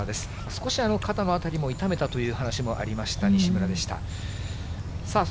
少し肩の辺りを痛めたという話もありました、西村でした。